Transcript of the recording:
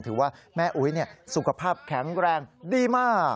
ถือว่าแม่อุ๊ยสุขภาพแข็งแรงดีมาก